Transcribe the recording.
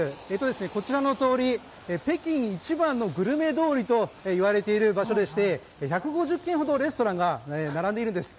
こちらの通り、北京一番のグルメ通りといわれている場所でして１５０軒ほどレストランが並んでいるんです。